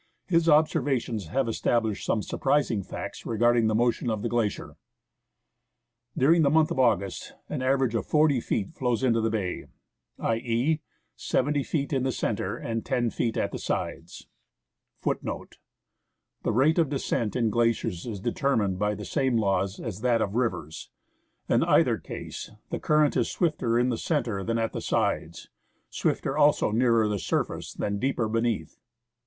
His observations have established some sur prising facts regarding the motion of the glacier. During the month of August, an average of 40 feet flows into the bay, i.e., 70 feet in the centre and 10 feet at the sides. ^ As the front of the Muir Qacier has a section surface 1 The rate of descent in glaciers is determined by the same laws as that of rivers. In either case the current is swifter in the centre than at the sides, swifter also nearer the surface than deeper beneath.